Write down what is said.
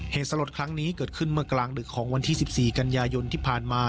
เหตุสลดครั้งนี้เกิดขึ้นเมื่อกลางดึกของวันที่๑๔กันยายนที่ผ่านมา